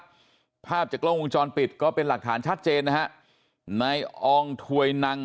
สร้างภาพจากโลงพยาบาลเกาะจรปิดก็เป็นหลักฐานชัดเจนนะฮะไนโองถวยนัง